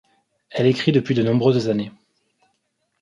Elle écrit depuis de nombreuses années.